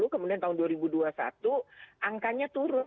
dua ribu dua puluh kemudian tahun dua ribu dua puluh satu angkanya turun